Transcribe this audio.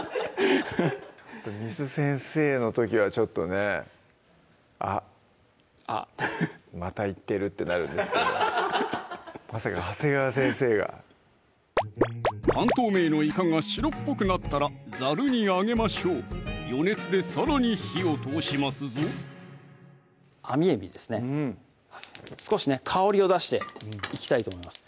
簾先生の時はちょっとね「あっまた言ってる」ってなるんですけどまさか長谷川先生が半透明のいかが白っぽくなったらざるにあげましょう余熱でさらに火を通しますぞあみえびですね少しね香りを出していきたいと思います